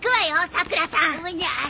さくらさん！